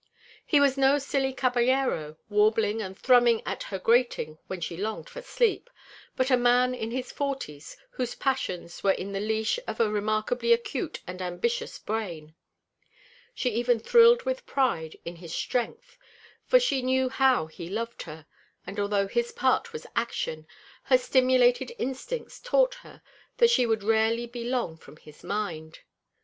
He was no silly caballero warbling and thrumming at her grating when she longed for sleep, but a man in his forties whose passions were in the leash of a remarkably acute and ambitious brain. She even thrilled with pride in his strength, for she knew how he loved her; and although his part was action, her stimulated instincts taught her that she would rarely be long from his mind.